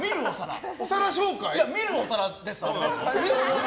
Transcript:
見るお皿です。